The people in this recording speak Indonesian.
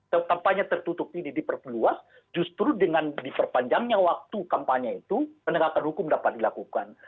kampanye tertutup ini diperluas justru dengan diperpanjangnya waktu kampanye itu penegakan hukum dapat dilakukan